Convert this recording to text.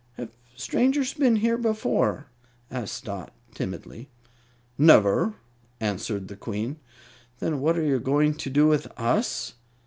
"Have strangers been here before?" asked Dot, timidly. "Never," answered the Queen. "Then what are you going to do with us?"